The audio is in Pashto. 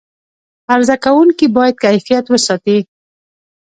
عرضه کوونکي باید کیفیت وساتي.